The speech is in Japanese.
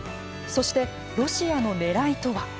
そして、ロシアのねらいとは。